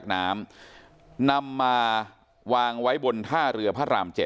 กระทั่งไปพบศพ